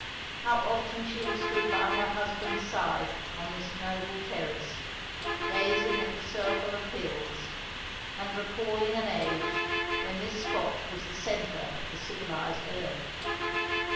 How often she had stood by her husband's side on this noble terrace, gazing at the circle of hills, and recalling an age when this spot was the centre of the civilised earth!